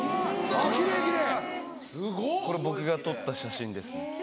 これ僕が撮った写真です。